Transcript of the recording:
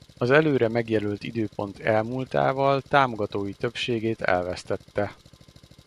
Az előre megjelölt időpont elmúltával támogatói többségét elvesztette.